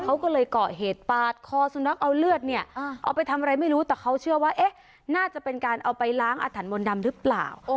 เขาก็เลยเกาะเหตุปาดคอสุนัขเอาเลือดเนี่ยเอาไปทำอะไรไม่รู้แต่เขาเชื่อว่าเอ๊ะน่าจะเป็นการเอาไปล้างอาถรรพนดำหรือเปล่า